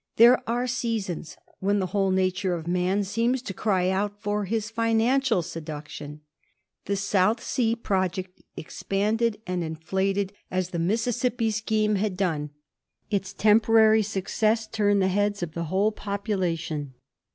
There are seasons when the whole nature of man seems to cry out for his financial seduction. The South Sea pro ject expanded and inflated as the Mississippi scheme had done. Its temporary success turned the heads of the whole population.